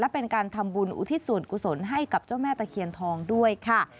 เป็นการทำบุญอุทิศส่วนกุศลให้กับเจ้าแม่ตะเคียนทองด้วยค่ะ